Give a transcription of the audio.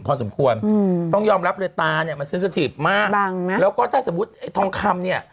พอสมควรต้องยอมรับเลยตาเนี่ยมาซีสตาติมากบางเราก็ถ้าสมมุติทองคำเนี่ย